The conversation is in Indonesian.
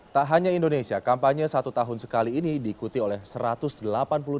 tak hanya indonesia kampanye satu tahun sekali ini diikuti oleh serta merta pemerintah